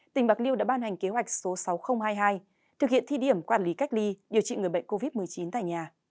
tỉnh bạc liêu đã ban hành kế hoạch số sáu nghìn hai mươi hai thực hiện thi điểm quản lý cách ly điều trị người bệnh covid một mươi chín tại nhà